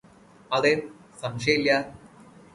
അതെ, സംശയമില്ല.